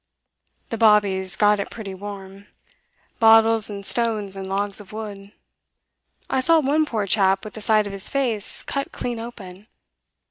The bobbies got it pretty warm bottles and stones and logs of wood; I saw one poor chap with the side of his face cut clean open.